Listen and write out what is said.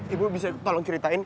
ibu bisa tolong ceritain